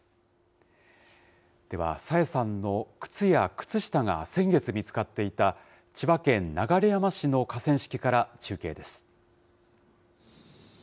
では、朝芽さんの靴や靴下が先月見つかっていた、千葉県流山市の河川敷から中継です。